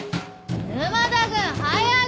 沼田君早ぐ！